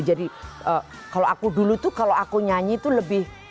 jadi kalau aku dulu itu kalau aku nyanyi itu lebih